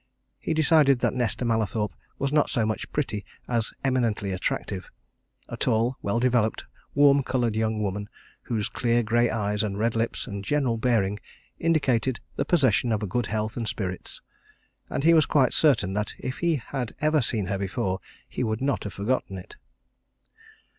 He decided that Nesta Mallathorpe was not so much pretty as eminently attractive a tall, well developed, warm coloured young woman, whose clear grey eyes and red lips and general bearing indicated the possession of good health and spirits. And he was quite certain that if he had ever seen her before he would not have forgotten it.